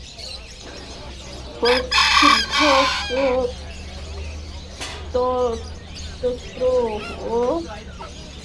প্রসিদ্ধ স্তোত্র ও ক্রিয়ানুষ্ঠানবিধি বা ব্রাহ্মণগুলি কর্মকাণ্ডের অন্তর্গত।